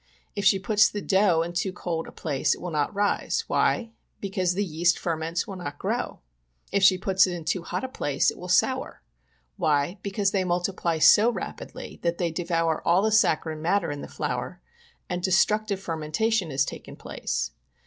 If she puts the dough in too cold a place it will not rise, why ? because the yeast ferments will not grow ; if she puts it into too hot a place it will sour ; why, because they multiply so rapidly that they de vour all the sacharine matter in the flour, and destructive fermentation has taken place.